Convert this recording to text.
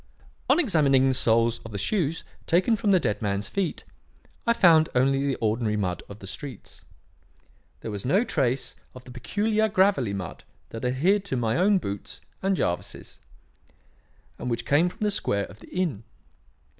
On examining the soles of the shoes taken from the dead man's feet, I found only the ordinary mud of the streets. There was no trace of the peculiar gravelly mud that adhered to my own boots and Jervis's, and which came from the square of the inn.